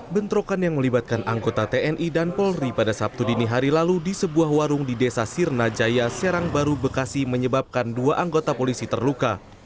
bentrokan yang melibatkan anggota tni dan polri pada sabtu dini hari lalu di sebuah warung di desa sirna jaya serang baru bekasi menyebabkan dua anggota polisi terluka